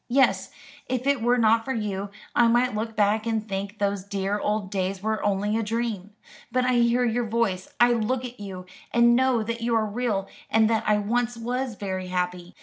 Yes, if it were not for you, I might look back and think those dear old days were only a dream. But I hear your voice, I look at you, and know that you are real, and that I once was very happy.